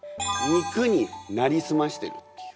肉になりすましてるっていう。